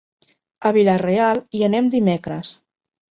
A Vila-real hi anem dimecres.